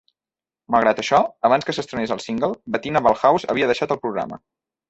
Malgrat això, abans que s'estrenés el single, Bettina Ballhaus havia deixat el programa.